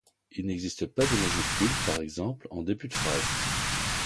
Il n'existe pas de majuscule, par exemple en début de phrase.